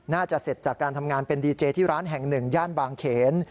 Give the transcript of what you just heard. น่าจะเสร็จจากการทำงานเป็นดีเจที่ร้านแห่งหนึ่งย่านบางเขน